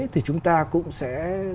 thì chúng ta cũng sẽ